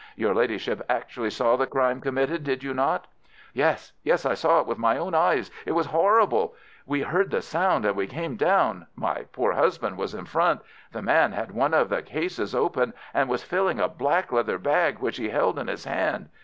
"Your Ladyship actually saw the crime committed, did you not?" "Yes, yes, I saw it with my own eyes. It was horrible. We heard the noise and we came down. My poor husband was in front. The man had one of the cases open, and was filling a black leather bag which he held in his hand.